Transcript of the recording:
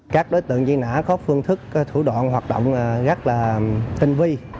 các đối tượng dây nã có phương thức thủ đoạn hoạt động rất là tinh vi